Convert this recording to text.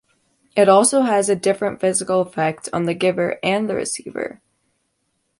It also has a different physical effect on the giver and the receiver.